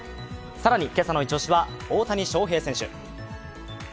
更に今朝のイチ押しは大谷翔平選手。